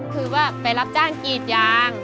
คือว่าไปรับจ้างกรีดยาง